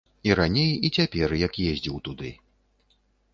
І раней, і цяпер, як ездзіў туды.